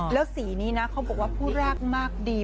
แล้วสีนี้นะเขาบอกว่าผู้รากมากดี